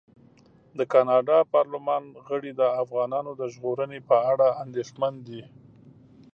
د کاناډا پارلمان غړي د افغانانو د ژغورنې په اړه اندېښمن دي.